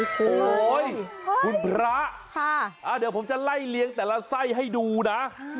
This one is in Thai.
โอ้โหคุณพระเดี๋ยวผมจะไล่เลี้ยงแต่ละไส้ให้ดูนะ